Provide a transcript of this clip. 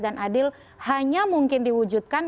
dan adil hanya mungkin diwujudkan